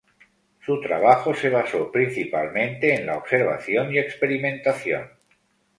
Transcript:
Su trabajo se basó principalmente en la observación y experimentación.